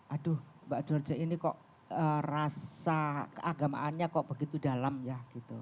aduh mbak george ini kok rasa keagamaannya kok begitu dalam ya gitu